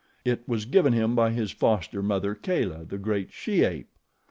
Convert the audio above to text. It was given him by his foster mother, Kala, the great she ape.